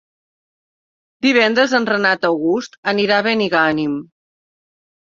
Divendres en Renat August anirà a Benigànim.